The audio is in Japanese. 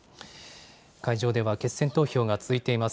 会場では、決選投票が続いています。